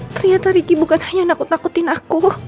ternyata ricky bukan hanya nakut nakutin aku